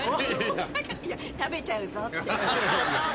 食べちゃうぞって。